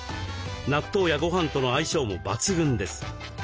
納豆やごはんとの相性も抜群です。